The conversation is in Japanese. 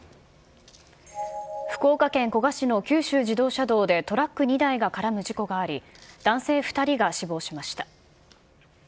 福岡県古賀市の九州自動車道でトラック２台が絡む事故があり、男性２人が死亡しました。